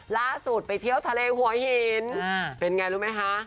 ล่าสุดไปเที่ยวทะเลหัวหินเป็นไงรู้ไหมคะ